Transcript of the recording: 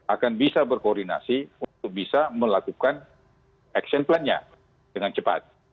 akan bisa berkoordinasi untuk bisa melakukan action plannya dengan cepat